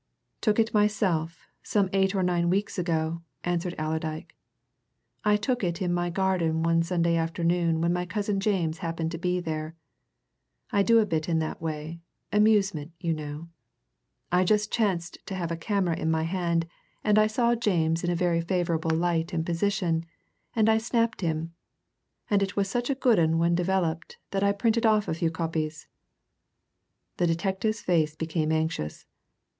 "Took it myself, some eight or nine weeks ago," answered Allerdyke. "I took it in my garden one Sunday afternoon when my cousin James happened to be there. I do a bit in that way amusement, you know. I just chanced to have a camera in my hand, and I saw James in a very favourable light and position, and I snapped him. And it was such a good 'un when developed that I printed off a few copies." The detective's face became anxious.